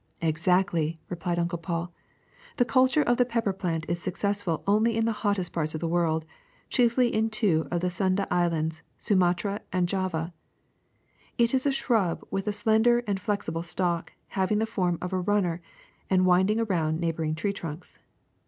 ^'Exactly," replied Uncle Paul. *^The culture of the pepper plant is successful only in the hottest parts of the world, chiefly in two of the Sunda Is lands, Sumatra and Java. It is a shrub with a slen der and flexible stalk having the form of a runner and winding around neighboring tree trunks.